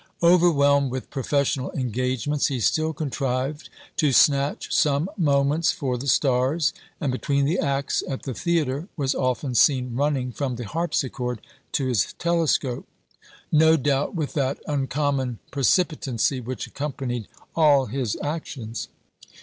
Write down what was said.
Overwhelmed with professional engagements, he still contrived to snatch some moments for the stars; and between the acts at the theatre was often seen running from the harpsichord to his telescope, no doubt with that "uncommon precipitancy which accompanied all his actions."